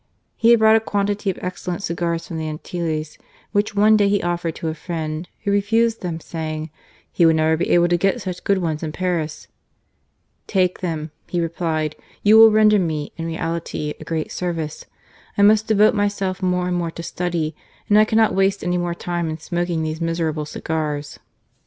He had brought a quantity of excellent cigars from the Antilles, which one day he offered to a friend, who refused them, saying, " He would never be able to get such good ones in Paris." "Take them," he replied ; "you will render me, in reality, a great service. I must devote jnyself more and more to study, and I cannot waste any more time in smoking these miserable cigars."